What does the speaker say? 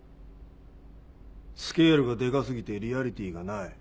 スケールがデカ過ぎてリアリティーがない。